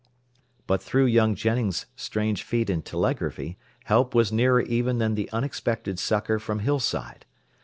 But through young Jennings' strange feat in telegraphy help was nearer even than the unexpected succor from Hillside.